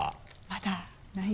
「まだない」？